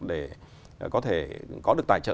để có thể có được tài trợ